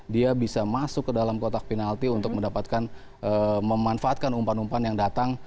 dia bisa masuk ke dalam kotak penalti untuk mendapatkan memanfaatkan umpan umpan yang datang